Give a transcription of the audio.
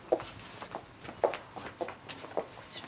こちら。